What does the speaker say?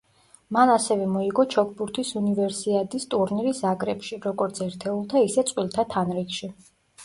მან ასევე მოიგო ჩოგბურთის უნივერსიადის ტურნირი ზაგრებში, როგორც ერთეულთა, ისე წყვილთა თანრიგში.